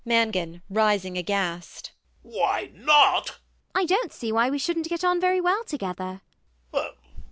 MANGAN. [rising aghast]. Why not! ELLIE. I don't see why we shouldn't get on very well together.